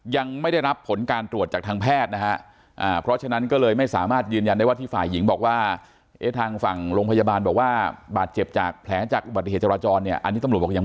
ยังไม่ได้รับผลการตรวจจากทางแพทย์นะฮะ